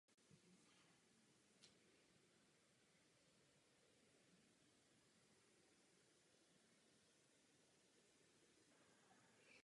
Sedm ze šestnácti ministrů obrany byli toho času premiéry.